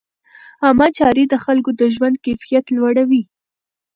عامه چارې د خلکو د ژوند کیفیت لوړوي.